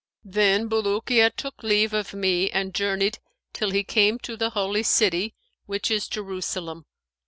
Then Bulukiya took leave of me and journeyed till he came to the Holy City which is Jerusalem.